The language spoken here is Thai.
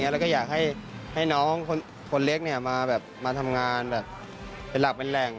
แล้วก็อยากให้น้องคนเล็กมาทำงานแบบเป็นหลักเป็นแหล่ง